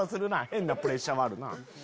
変なプレッシャーもあるな。